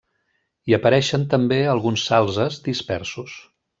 Hi apareixen també alguns salzes dispersos.